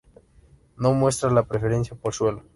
No muestra preferencia por suelo.